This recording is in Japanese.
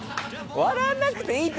笑わなくていいって！